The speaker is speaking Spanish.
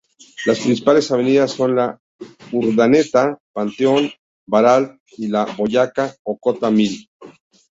Las principales avenidas son la Urdaneta, Panteón, Baralt y la Boyacá o Cota Mil.